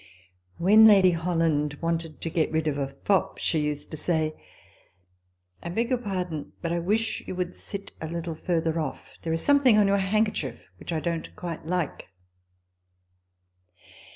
* When Lady Holland wanted to get rid of a fop, she used to say, " I beg your pardon, but I wish you would sit a little further off ; there is something on your handkerchief which I don't quite like."